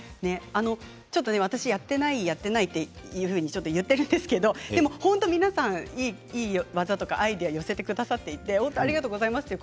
私やってない、やってないというふうに言っているんですけど本当に皆さんいい技とかアイデアを寄せてくださってありがとうございます。